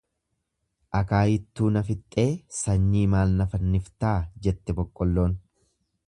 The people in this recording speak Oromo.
Akaayiittuu na fixxee sanyii maal na fanniftaa jette boqqoolloon.